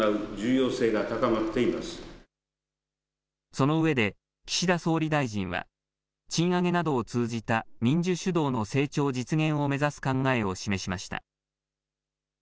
そのうえで岸田総理大臣は賃上げなどを通じた民需主導の成長実現を目指す考えを示しました。